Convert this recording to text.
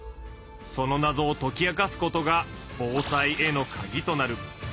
そのなぞをとき明かすことが防災へのカギとなる。